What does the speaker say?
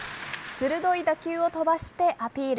鋭い打球を飛ばして、アピール。